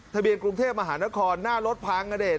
ทะเบียนกรุงเทพฯมหาเนอคอลหน้ารถพัง